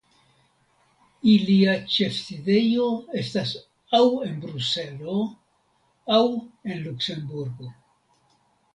Ilia ĉefsidejo estas aŭ en Bruselo aŭ en Luksemburgo.